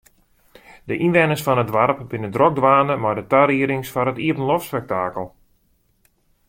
De ynwenners fan it doarp binne drok dwaande mei de tariedings foar it iepenloftspektakel.